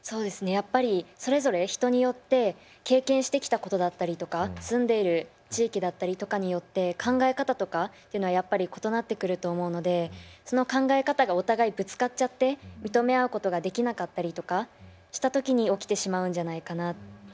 やっぱりそれぞれ人によって経験してきたことだったりとか住んでる地域だったりとかによって考え方とかっていうのはやっぱり異なってくると思うのでその考え方がお互いぶつかっちゃって認め合うことができなかったりとかした時に起きてしまうんじゃないかな。